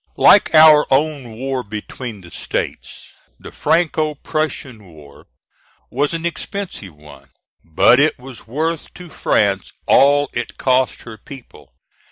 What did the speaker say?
Like our own war between the States, the Franco Prussian war was an expensive one; but it was worth to France all it cost her people.